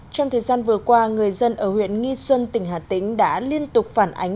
trong thời gian vừa qua người dân ở huyện nghi xuân tỉnh hà tĩnh đã liên tục phản ánh